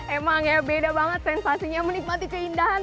emang ya beda banget sensasinya menikmati keindahan